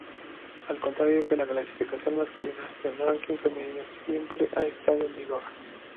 Al contrario que la clasificación masculina, el ranking femenino siempre ha estado en vigor.